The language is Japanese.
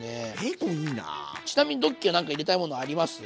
ちなみにドッキーはなんか入れたいものあります？